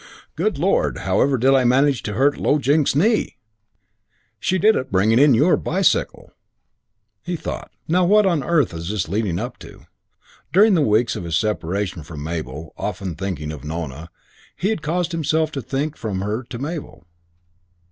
"Good lord! However did I manage to hurt Low Jinks's knee?" "She did it bringing in your bicycle." He thought, "Now what on earth is this leading up to?" During the weeks of his separation from Mabel, thinking often of Nona, he had caused himself to think from her to Mabel.